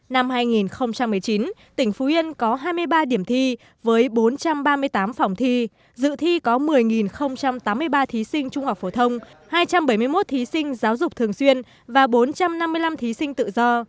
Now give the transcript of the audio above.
năm hai nghìn một mươi chín tỉnh phú yên có hai mươi ba điểm thi với bốn trăm ba mươi tám phòng thi dự thi có một mươi tám mươi ba thí sinh trung học phổ thông hai trăm bảy mươi một thí sinh giáo dục thường xuyên và bốn trăm năm mươi năm thí sinh tự do